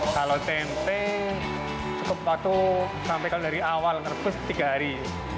kalau tempe cukup waktu sampai kalau dari awal merebus tiga hari